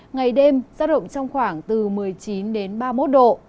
ngày đêm gió rộng trong khoảng từ một mươi chín ba mươi một độ